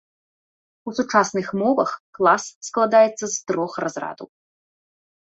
У сучасных мовах клас складаецца з трох разрадаў.